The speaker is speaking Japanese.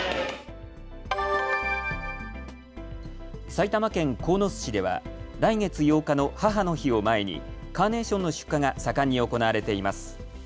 埼玉県鴻巣市では来月８日の母の日を前にカーネーションの出荷が盛んに行われています。